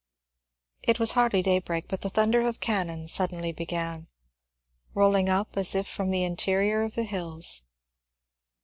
It was hardly daybreak, but the thunder of cannon suddenly began, rolling up as if from the interior of the hills.